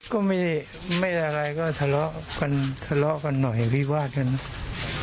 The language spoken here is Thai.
ก็ไม่อะไรก็ทะเลาะกันหน่อยวิวาดกันนะ